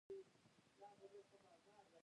ایا زه باید اکسیجن واخلم؟